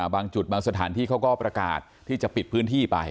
บางจุดบางสถานที่เขาก็ประกาศที่จะปิดพื้นที่ไป